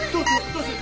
どうする？